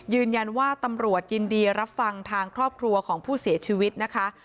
ยืนยันว่าตำรวจยินดีรับฟังทางครอบครัวของผู้เสียชีวิตนะคะ